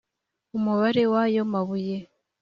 umubare w ayo mabuye